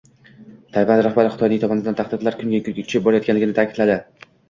Tayvan rahbari Xitoy tomonidan tahdidlar kundan-kunga kuchayib borayotganini ta’kidlading